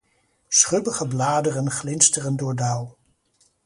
Schubbige bladeren glinsteren door dauw.